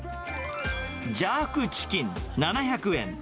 ジャークチキン７００円。